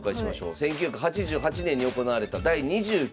１９８８年に行われた第２９期王位戦。